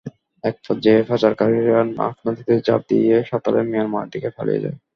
একপর্যায়ে পাচারকারীরা নাফ নদীতে ঝাঁপ দিয়ে সাঁতরে মিয়ানমারের দিকে পালিয়ে যায়।